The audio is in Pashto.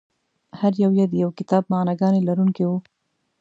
هر یو یې د یو کتاب معناګانې لرونکي وو.